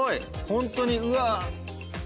ホントにうわっ！